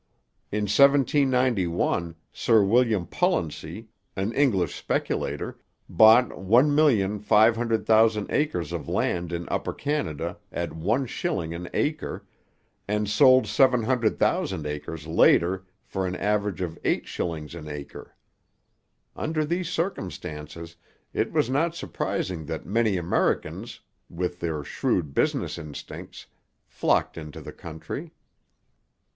In 1791 Sir William Pullency, an English speculator, bought 1,500,000 acres of land in Upper Canada at one shilling an acre, and sold 700,000 acres later for an average of eight shillings an acre. Under these circumstances it was not surprising that many Americans, with their shrewd business instincts, flocked into the country.